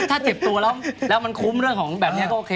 ถ้าเจ็บตัวแล้วมันคุ้มเรื่องของแบบนี้ก็โอเค